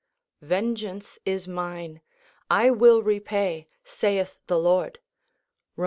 ("Vengeance is mine; I will repay, saith the Lord,"—Rom.